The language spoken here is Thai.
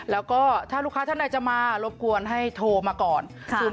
แล้วก็ถ้าลูกค้าท่านใดจะมารบกวนให้โทรมาก่อน